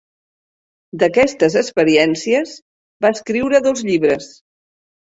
D'aquestes experiències va escriure dos llibres.